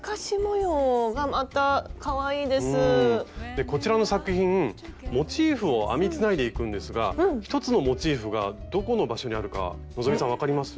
でこちらの作品モチーフを編みつないでいくんですが１つのモチーフがどこの場所にあるか希さん分かります？